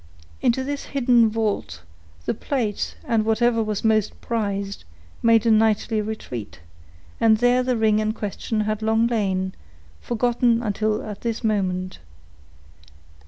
Into this hidden vault, the plate, and whatever was most prized, made a nightly retreat, and there the ring in question had long lain, forgotten until at this moment.